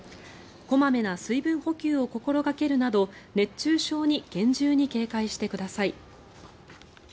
小まめな水分補給を心掛けるなど熱中症に厳重に警戒してください。